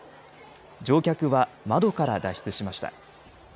乗客は窓から脱出しました。